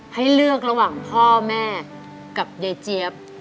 ให้เลือกระหว่างพ่อแม่กับยายเจี๊ยบ